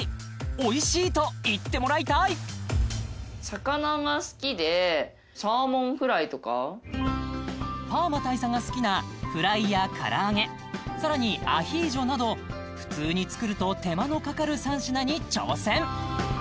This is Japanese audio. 「おいしい」と言ってもらいたいパーマ大佐が好きなフライや唐揚げさらにアヒージョなど普通に作ると手間のかかる３品に挑戦